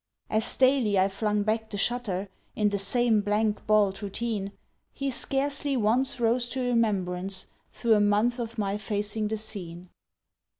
As daily I flung back the shutter In the same blank bald routine, He scarcely once rose to remembrance Through a month of my facing the scene.